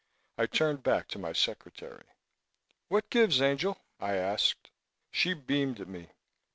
I turned back to my secretary. "What gives, angel?" I asked. She beamed at me.